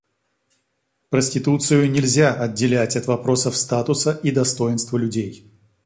Проституцию нельзя отделять от вопросов статуса и достоинства людей.